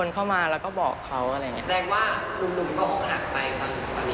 เขาก็คุยก็สอบถามคุยกันบ้างค่ะ